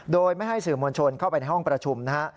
โดยไม่ให้สื่อมวลชนเข้าไปในห้องประชุมนะฮะ